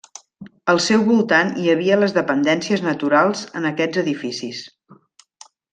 Al seu voltant hi havia les dependències naturals en aquests edificis.